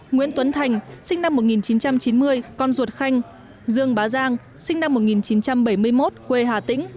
nguyễn tuấn thành sinh năm một nghìn chín trăm chín mươi con ruột khanh dương bá giang sinh năm một nghìn chín trăm bảy mươi một quê hà tĩnh